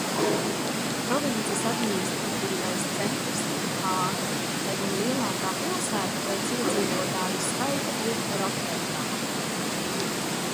Provinces administratīvais centrs ir Hāga, lai gan lielākā pilsēta pēc iedzīvotāju skaita ir Roterdama.